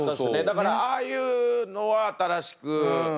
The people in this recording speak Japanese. だからああいうのは新しく。